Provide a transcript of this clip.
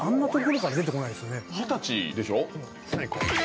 二十歳でしょう？